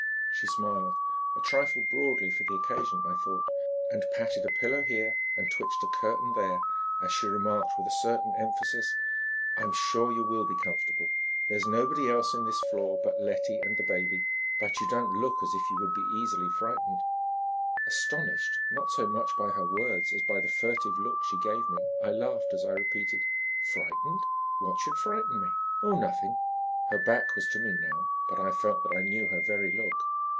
She smiled, a trifle broadly for the occasion, I thought, and patted a pillow here and twitched a curtain there, as she remarked with a certain emphasis: "I'm sure you will be comfortable. There's nobody else on this floor but Letty and the baby, but you don't look as if you would be easily frightened." Astonished, not so much by her words as by the furtive look she gave me, I laughed as I repeated "Frightened? What should frighten me?" "Oh, nothing." Her back was to me now, but I felt that I knew her very look.